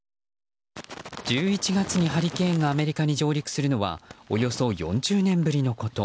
１１月にハリケーンがアメリカに上陸するのはおよそ４０年ぶりのこと。